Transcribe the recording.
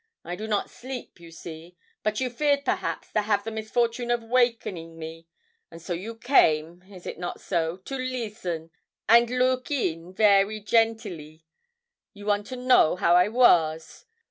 I do not sleep, you see, but you feared, perhaps, to have the misfortune of wakening me, and so you came is it not so? to leesten, and looke in very gentily; you want to know how I was.